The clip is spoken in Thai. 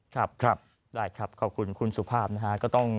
ได้ครับขอบคุณคุณสุภาพนะครับ